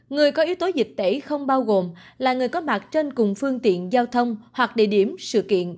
người có yếu tố dịch tễ không bao gồm là người có mặt trên cùng phương tiện giao thông hoặc địa điểm sự kiện